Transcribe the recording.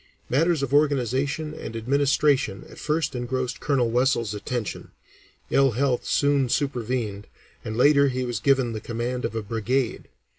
Matters of organization and administration at first engrossed Colonel Wessells' attention; ill health soon supervened, and later he was given the command of a brigade.